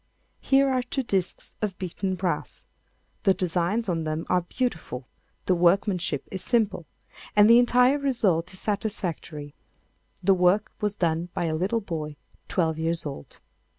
Here are two disks of beaten brass: the designs on them are beautiful, the workmanship is simple, and the entire result is satisfactory. The work was done by a little boy twelve years old.